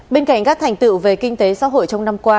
bên cạnh các thành tựu về kinh tế xã hội trong năm qua